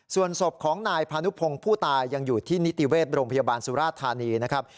ส่วนศพของนายพานุพงศ์ผู้ตายยังอยู่ที่นิติเวชโรงพยาบาลสุราธานีนะครับ